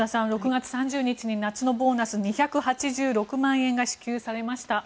６月３０日に夏のボーナス２８６万円が支給されました。